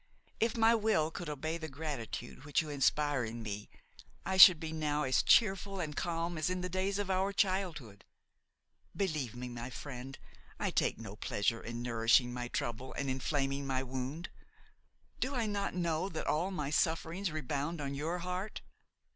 If my will could obey the gratitude which you inspire in me, I should be now as cheerful and calm as in the days of our childhood; believe me, my friend, I take no pleasure in nourishing my trouble and inflaming my wound; do I not know that all my sufferings rebound on your heart?